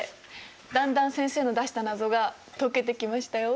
だんだん先生の出した謎が解けてきましたよ。